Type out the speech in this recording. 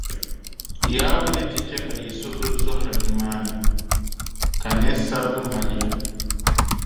Yawɛ ni ti chɛ ka yi suhuri zɔhira nimaani, ka ninsabiga mali ya.